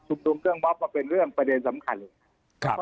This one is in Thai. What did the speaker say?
ชุดยุ่งเบาะเป็นเรื่องประเด็นสำคัญ